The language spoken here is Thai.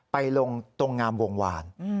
ไปลงตรงงามวงวาน